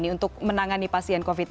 untuk menangani pasien covid sembilan belas